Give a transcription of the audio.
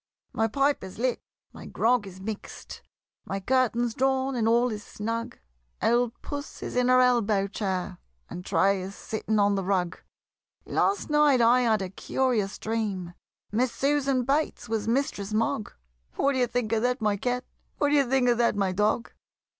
My pipe is lit, my grog is mix'd, My curtains drawn and all is snug; Old Puss is in her elbow chair, And Tray is sitting on the rug. Last night I had a curious dream, Miss Susan Bates was Mistress Mogg What d'ye think of that, my Cat? What d'ye think of that, my Dog?